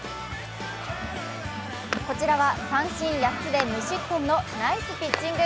こちらは三振８つで無失点のナイスピッチング。